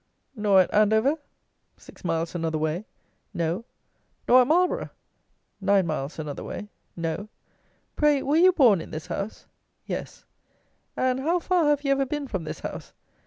"Nor at Andover?" (six miles another way) "No." "Nor at Marlborough?" (nine miles another way) "No." "Pray, were you born in this house?" "Yes." "And how far have you ever been from this house?"